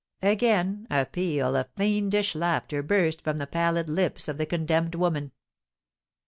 Again a peal of fiendish laughter burst from the pallid lips of the condemned woman.